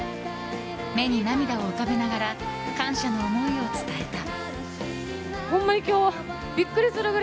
目に涙を浮かべながら感謝の思いを伝えた。